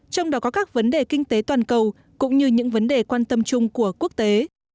trong đó có các vấn đề kinh tế toàn cầu cũng như những vấn đề quan tâm chung của quốc tế